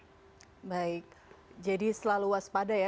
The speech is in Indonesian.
jadi selalu waspada ya karena memang juga indonesia rawan bencana